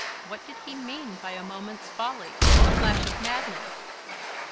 What did he mean by "a moment's folly, a flash of madness"?